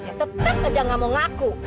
dia tetap saja gak mau ngaku